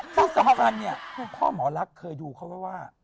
ที่สำคัญเนี่ยพ่อหมอลักเคยดูเขาว่าว่า